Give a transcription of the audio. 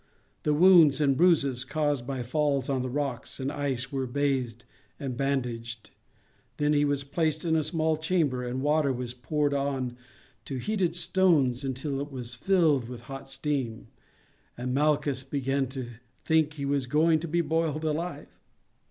The wounds and bruises caused by falls on the rocks and ice were bathed and bandaged, then he was placed in a small chamber and water was poured on to heated stones until it was filled with hot steam, and Malchus began to think that he was going to be boiled alive.